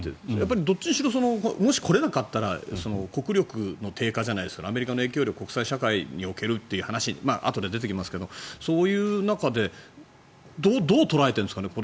どっちにしろもし、来れなかったら国力の低下じゃないですけどアメリカの影響力国際社会におけるというあとで出てきますがそういう中でどう捉えているんですかね。